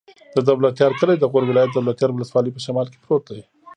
د دولتيار کلی د غور ولایت، دولتيار ولسوالي په شمال کې پروت دی.